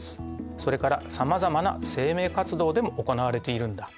それからさまざまな生命活動でも行われているんだ。